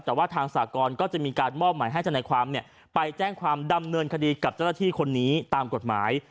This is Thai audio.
แต่ว่าทางสากรก็จะมีการมอบหมายให้ธนายความไปแจ้งความดำเนินคดีกับเจ้าหน้าที่คนนี้ตามกฎหมาย